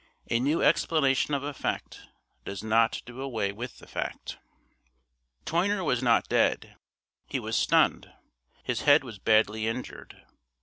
A new explanation of a fact does not do away with the fact. Toyner was not dead, he was stunned; his head was badly injured.